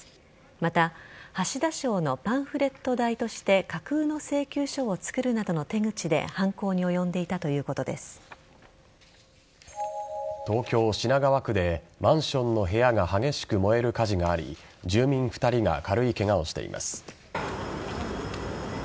また、橋田賞のパンフレット代として架空の請求書を作るなどの手口で東京・品川区でマンションの部屋が激しく燃える火事があり住民２人が軽いケガをしています。